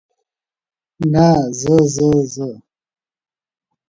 نه، زه، زه.